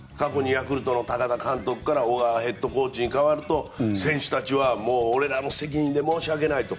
ヤクルトの田中監督から小川ヘッドコーチに代わると選手たちは俺らの責任で申し訳ないと。